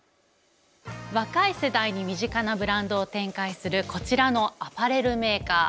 若い世代に身近なブランドを展開するこちらのアパレルメーカー。